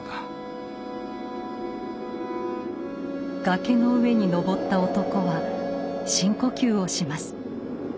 崖の上に登った男は深呼吸をします。